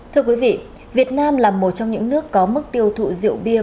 thưa quý vị việt nam là một trong những nước có mức tiêu thụ rượu bia